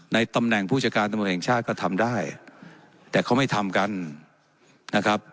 ตำแหน่งผู้จัดการตำรวจแห่งชาติก็ทำได้แต่เขาไม่ทำกันนะครับ